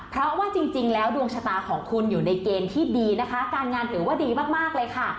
เพราะว่าจริงแล้วดวงชะตาของคุณอยู่ในเกณฑ์ที่ดีนะคะการงานถือว่าดีมากเลยค่ะ